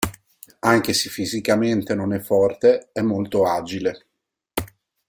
Anche se fisicamente non è forte è molto agile.